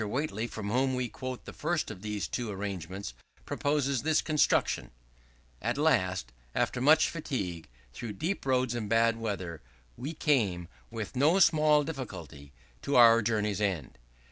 Whately, from whom we quote the first of these two arrangements,' proposes this construction: "At last, after much fatigue, through deep roads and bad weather, we came, with no small difficulty, to our journey's end."